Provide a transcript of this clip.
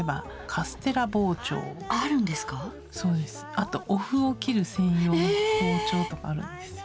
あとお麩を切る専用の包丁ええ！とかあるんですよ。